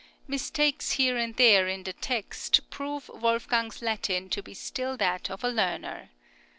Mistakes here and there in the text prove Wolfgang's Latin to be still that of a learner.